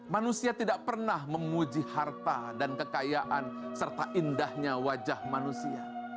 manusia tidak pernah memuji harta dan kekayaan serta indahnya wajah manusia